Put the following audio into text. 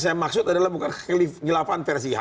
saya maksud adalah bukan kekilapan versi